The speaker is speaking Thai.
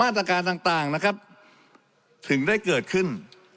ตรการต่างนะครับถึงได้เกิดขึ้น